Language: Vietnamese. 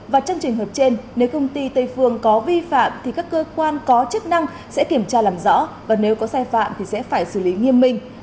và trong trường hợp trên nếu công ty tây phương có vi phạm thì các cơ quan có chức năng sẽ kiểm tra làm rõ và nếu có sai phạm thì sẽ phải xử lý nghiêm minh